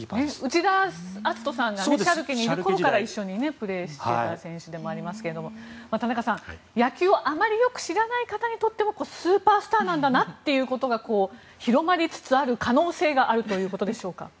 内田篤人さんがシャルケにいる頃から一緒にプレーしていた選手でもありますが田中さん、野球をあまりよく知らない方にとってもスーパースターなんだなということが広まりつつある可能性があるということでしょうか。